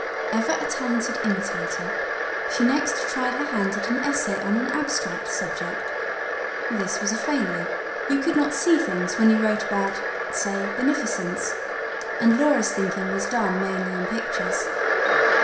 Ever a talented imitator, she next tried her hand at an essay on an abstract subject. This was a failure: you could not SEE things, when you wrote about, say, "Beneficence"; and Laura's thinking was done mainly in pictures.